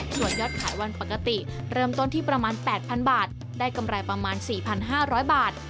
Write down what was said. ส่วนยอดขายวันปกติเริ่มต้นที่ประมาณ๘๐๐๐บาทได้กำไรประมาณ๔๕๐๐บาท